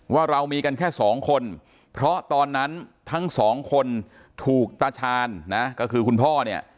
ว่าเรามีกันแค่สองคนเพราะตอนนั้นทั้งสองคนถูกตาชาญนะก็คือคุณพ่อเนี่ย